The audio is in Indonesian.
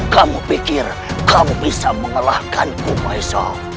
kamu pikir kamu bisa mengalahkanku maisal